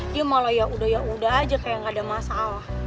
dia malah yaudah yaudah aja kayak gak ada masalah